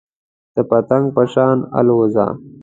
د پتنګ په شان الوځه .